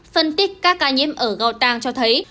phân tích các ca nhiễm ở gò tàng cho thấy